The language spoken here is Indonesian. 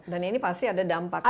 dan ini pasti ada dampaknya